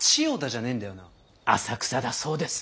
浅草だそうです。